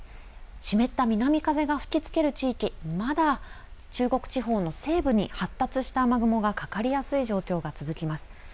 湿った南風が吹きつける地域、まだ中国地方の西部に発達した雨雲がかかりやすい状況が続きます。